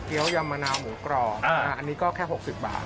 ยำมะนาวหมูกรอบอันนี้ก็แค่๖๐บาท